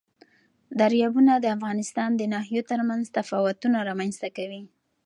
دریابونه د افغانستان د ناحیو ترمنځ تفاوتونه رامنځ ته کوي.